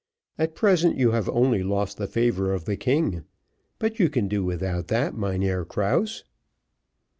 At present, you have only lost the favour of the king; but you can do without that, Mynheer Krause."